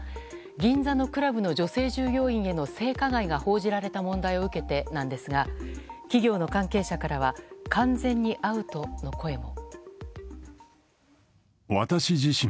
銀座のクラブの女性従業員への性加害が報じられた問題を受けてなんですが企業の関係者からは完全にアウトの声も。